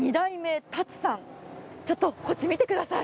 ちょっとこっち見てください！